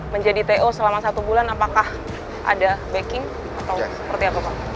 menjadi to selama satu bulan apakah ada backing atau seperti apa pak